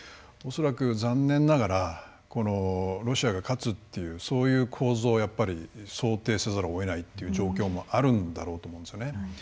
恐らく残念ながらロシアが勝つというそういう構図を想定せざるをえない状況もあるんだろうと思うんですよね。